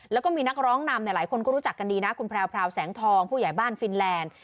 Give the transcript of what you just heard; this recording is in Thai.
แล้วก็มีนักร้องนำหลายคนก็รู้จักกันดีนะคุณแพรวแสงทองผู้ใหญ่บ้านฟินแลนด์